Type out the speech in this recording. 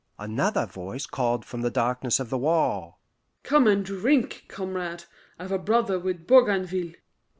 Another voice called from the darkness of the wall: "Come and drink, comrade; I've a brother with Bougainville."